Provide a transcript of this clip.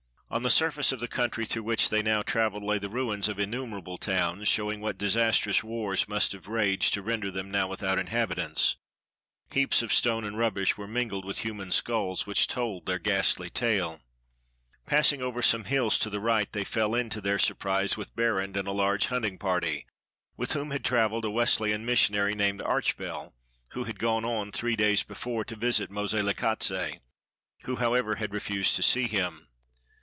On the surface of the country through which they now traveled lay the ruins of innumerable towns, show ing what disastrous wars must have raged to render them now without inhabitants. Heaps of stone and rub bish were mingled with human skulls, which told their ghastly tale. Passing over some hills to the right, they fell in, to their surprise, with Berend and a large hunt ing party, — with whom had traveled a Wesleyan mis sionary named Archbell, who had gone on, three days before, to visit Moselekatse; who, however, had refused to see him.